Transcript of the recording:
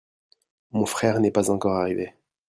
mon frère n'est pas encore arrivé.